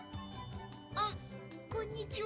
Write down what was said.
「あっこんにちは」。